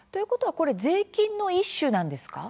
税金の一種なんですか？